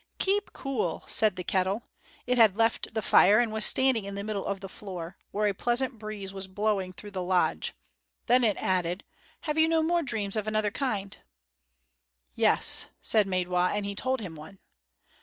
"Keep cool," said the kettle. It had left the fire and was standing in the middle of the floor, where a pleasant breeze was blowing through the lodge. Then it added, "Have you no more dreams of another kind?" "Yes," said Maidwa, and he told him one.